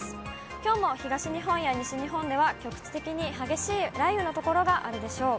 きょうも東日本や西日本では、局地的に激しい雷雨の所があるでしょう。